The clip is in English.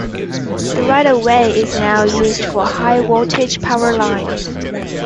The right-of-way is now used for high-voltage power lines.